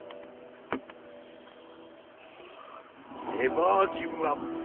ネバーギブアップ。